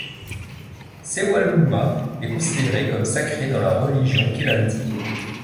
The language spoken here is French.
Sewalungma est considéré comme sacré dans la religion kiranti.